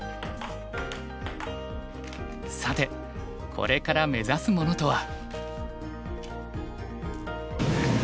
さてこれから目指すものとは。